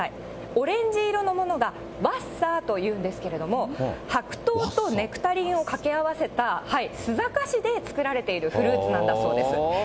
オレンジ色のものが、ワッサーというんですが、白桃とネクタリンをかけ合わせた、須坂市で作られているフルーツなんだそうです。